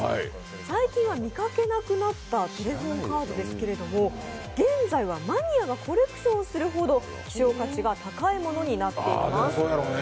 最近は見かけなくなったテレホンカードですけど現在はマニアがコレクションするほど希少価値が高いものになっています。